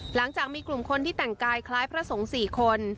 หลังจากมีกลุ่มคนที่แต่งกายคล้ายพระสงฆ์๔คน